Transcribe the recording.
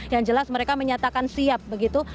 yang jelas mereka menyatakan siap begitu